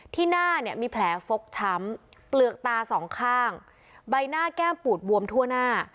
หน้าเนี่ยมีแผลฟกช้ำเปลือกตาสองข้างใบหน้าแก้มปูดบวมทั่วหน้า